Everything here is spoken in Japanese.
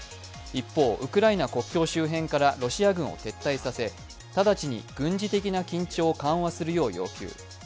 一方、ウクライナ国境周辺からロシア軍を撤退させ直ちに軍事的な緊張を緩和するよう要求。